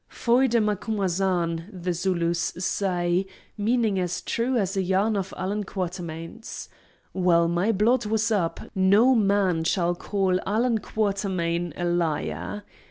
Foide Macumazahn, the Zulus say, meaning as true as a yarn of Allan Quatermain's. Well, my blood was up; no man shall call Allan Quatermain a liar.